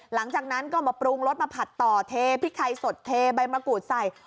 หลังจากนั้นก็มาปรุงรสมาผัดต่อเทพริกไทยสดเทใบมะกรูดใส่